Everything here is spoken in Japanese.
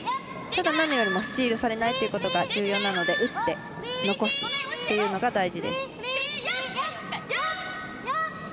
ただ、何よりもスチールされないということが重要なので打って残すっていうのが大事です。